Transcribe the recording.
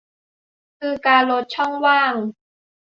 คือการลดช่องว่าง